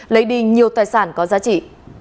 lấy đi nhiều tài sản có giá trị